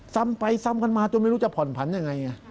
ซ้ำไปซ้ำกันมาจนไม่รู้จะผ่อนผันยังไง